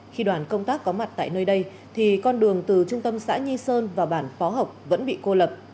khi đoàn công tác có mặt tại nơi đây thì con đường từ trung tâm xã nhi sơn và bản phó học vẫn bị cô lập